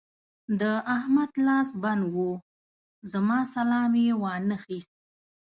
د احمد لاس بند وو؛ زما سلام يې وانخيست.